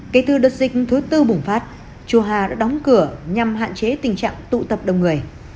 kể từ đợt dịch thứ tư bùng phát chùa hà đã đóng cửa nhằm hạn chế tình trạng tụ tập đông người